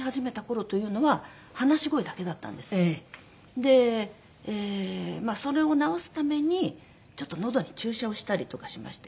でまあそれを治すためにちょっとのどに注射をしたりとかしまして。